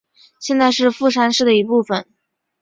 现在是富山市的一部分。